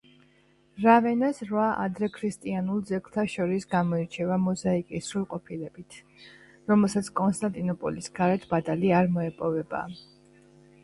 რავენას რვა ადრექრისტიანულ ძეგლთა შორის გამოირჩევა მოზაიკის სრულყოფილებით, რომელსაც კონსტანტინოპოლის გარეთ ბადალი არ მოეპოვება.